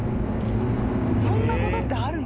そんなことってあるの？